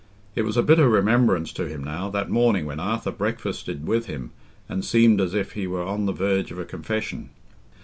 It was a bitter remembrance to him now—that morning when Arthur breakfasted with him and seemed as if he were on the verge of a confession.